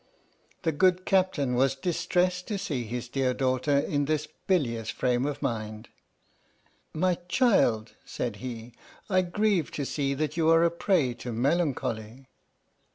The good Captain was distressed to see his dear daughter in this bilious frame of mind. " My child," said he, " I grieve to see that you are a prey to melancholy."